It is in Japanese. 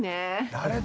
誰？